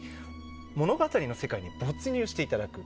物語の世界に没入していただく。